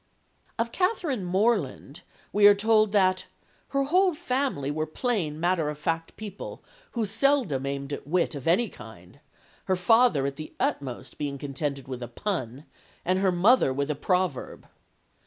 Of Catherine Morland we are told that "her whole family were plain matter of fact people, who seldom aimed at wit of any kind; her father at the utmost being contented with a pun, and her mother with a proverb."